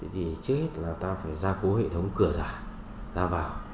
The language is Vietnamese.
thì trước hết là ta phải ra cố hệ thống cửa giả ra vào